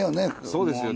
そうですよ。